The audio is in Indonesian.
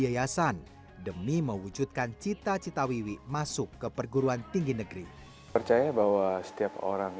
yayasan demi mewujudkan cita cita wiwi masuk ke perguruan tinggi negeri percaya bahwa setiap orang